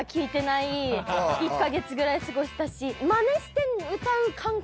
１カ月ぐらい過ごしたし。